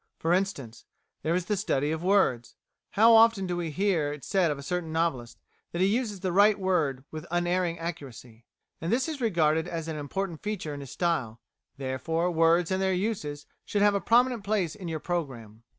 For instance, there is the study of words. How often do we hear it said of a certain novelist that he uses the right word with unerring accuracy. And this is regarded as an important feature in his style; therefore words and their uses should have a prominent place in your programme.